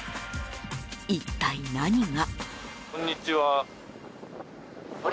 一体、何が？